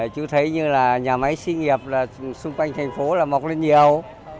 chú thấy như là nhà máy xinh nghiệp xung quanh thành phố là mọc lên nhiều